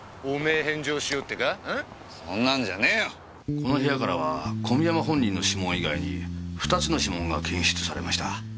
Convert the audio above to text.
この部屋からは小見山本人の指紋以外に２つの指紋が検出されました。